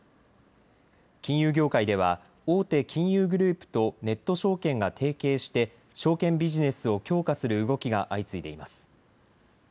金融業界では大手金融グループとネット証券が提携して証券ビジネスを強化する動きが相次いでいます。